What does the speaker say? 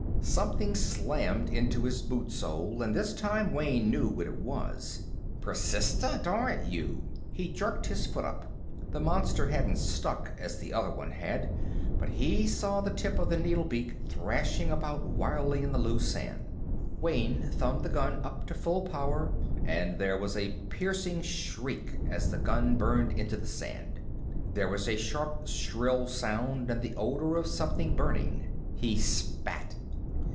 Something slammed into his boot sole, and this time Wayne knew what it was. "Persistent, aren't you!" He jerked his foot up. This monster hadn't stuck as the other one had, but he saw the tip of the needle beak thrashing around wildly in the loose sand. Wayne thumbed the gun up to full power, and there was a piercing shriek as the gun burned into the sand. There was a sharp shrill sound, and the odor of something burning. He spat.